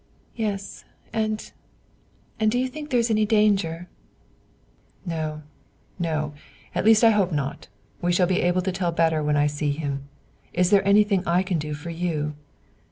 "Yes; and and do you think there is any danger?" "No, no! at least, I hope not. I shall be able to tell better when I see him. Is there anything I can do for you?"